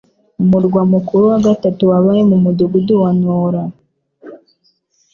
Umurwa mukuru wa gatatu wabaye mu Mudugudu wa Ntora